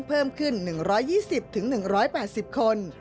เพิ่มขึ้น๑๒๐๑๘๐คน